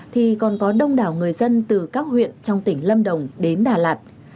thì còn có đông đảo người dân từ các huyện trong tỉnh lâm đồng đến đà lạt